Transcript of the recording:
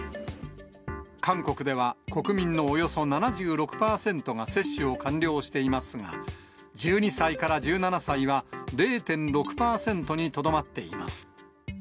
韓国では国民のおよそ７６％が接種を完了していますが、１２歳から１７歳は、０．６％にとどまっています。